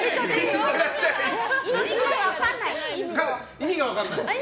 意味が分かんない。